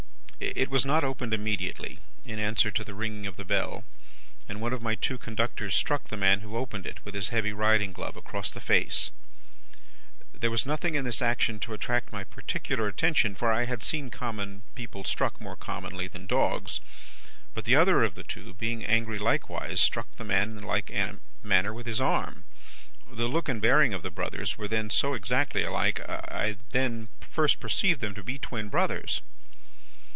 It was not opened immediately, in answer to the ringing of the bell, and one of my two conductors struck the man who opened it, with his heavy riding glove, across the face. "There was nothing in this action to attract my particular attention, for I had seen common people struck more commonly than dogs. But, the other of the two, being angry likewise, struck the man in like manner with his arm; the look and bearing of the brothers were then so exactly alike, that I then first perceived them to be twin brothers.